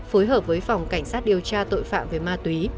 phối hở với phòng cảnh sát điều tra tội phạm về ma tùy